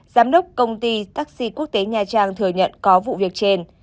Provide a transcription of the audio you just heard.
giám đốc công ty taxi quốc tế nha trang thừa nhận có vụ việc trên